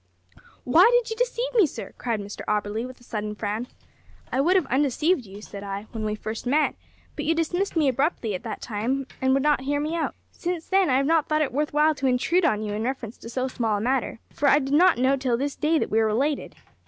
"`Why did you deceive me, sir?' cried Mr Auberly, with a sudden frown. `I would have undeceived you,' said I, `when we first met, but you dismissed me abruptly at that time, and would not hear me out. Since then, I have not thought it worth while to intrude on you in reference to so small a matter for I did not know till this day that we are related.'